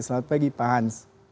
selamat pagi pak hans